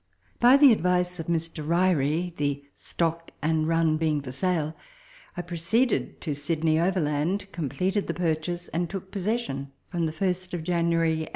By the advice of Mr. Ryrie (the stock and run being for sale) I proceeded to Sydney overland, completed the purchase, and took possession from the 1st of January 1839.